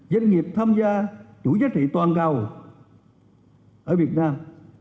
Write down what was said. doanh nghiệp tham gia chủ giá trị toàn cầu ở việt nam